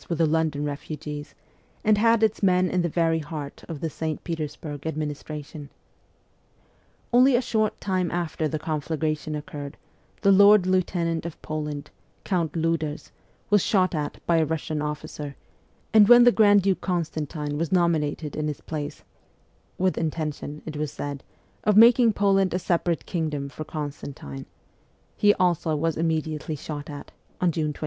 with the London refugees, and had its men in the very heart of the St. Petersburg administration. Only a short time after the conflagration occurred, the Lord Lieutenant of Poland, Count Liiders, was shot at by a Russian officer ; and when the grand duke Constantine was nominated in his place (with intention, it was said > of making Poland a separate kingdom for Constantine) he also was immediately shot at, on June 26.